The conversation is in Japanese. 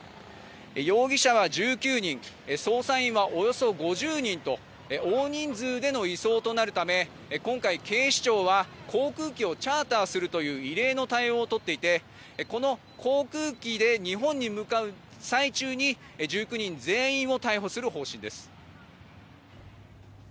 容疑者は１９人捜査員はおよそ５０人と大人数での移送となるため今回、警視庁は航空機をチャーターするという異例の対応を取っていてこの航空機で日本に向かう最中に１９人全員を逮捕する方針です。